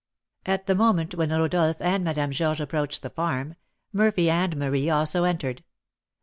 At the moment when Rodolph and Madame Georges approached the farm, Murphy and Marie also entered.